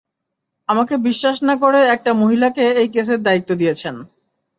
আমাকে বিশ্বাস না করে একটা মহিলাকে এই কেসের দায়িত্ব দিয়েছেন।